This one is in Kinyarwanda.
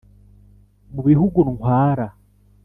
Mu bihugu ntwara